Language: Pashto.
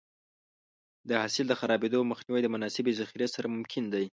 د حاصل د خرابېدو مخنیوی د مناسبې ذخیرې سره ممکن دی.